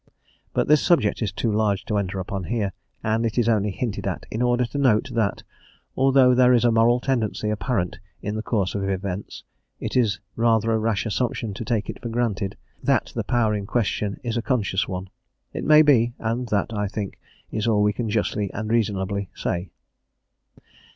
But this subject is too large to enter upon here, and it is only hinted at in order to note that, although there is a moral tendency apparent in the course of events, it is rather a rash assumption to take it for granted that the power in question is a conscious one: it may be, and that, I think, is all we can justly and reasonably say.